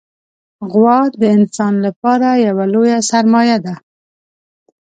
غوا د انسان لپاره یوه لویه سرمایه ده.